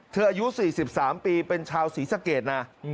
อายุ๔๓ปีเป็นชาวศรีสะเกดนะ